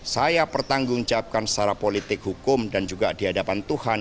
saya pertanggungjawabkan secara politik hukum dan juga di hadapan tuhan